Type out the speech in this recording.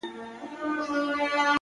• که عادت سي یو ځل خوله په بد ویلو ,